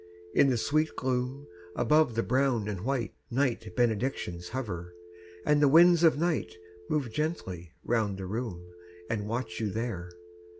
In the sweet gloom above the brown and white Night benedictions hover; and the winds of night Move gently round the room, and watch you there.